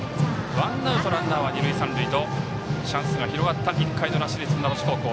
ワンアウトランナー、二塁三塁とチャンスが広がった１回の裏市立船橋高校。